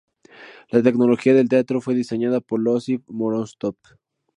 La tecnología del teatro fue diseñada por Iosif Vorontsov.